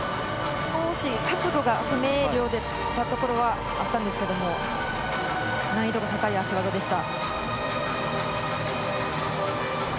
少し角度が不明瞭なところがあったんですけれど、難易度が高い脚技でした。